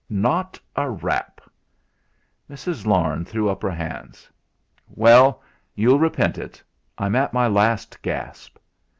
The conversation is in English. "Not a rap." Mrs. Larne threw up her hands. "Well! You'll repent it. I'm at my last gasp."